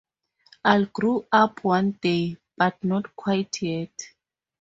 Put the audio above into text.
I'll grow up one day, but not quite yet.